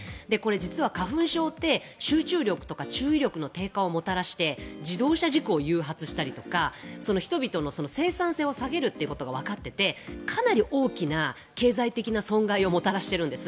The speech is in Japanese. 実は、花粉症って集中力とか注意力の低下をもたらして自動車事故を誘発したりとか人々の生産性を下げるということがわかっていてかなり大きな経済的な損害をもたらしているんです。